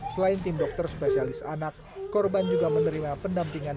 selain tim dokter spesialis anak korban juga menerima pendampingan